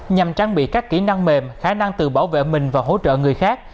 nhằm trang bị các kỹ năng mềm khả năng tự bảo vệ mình và hỗ trợ người khác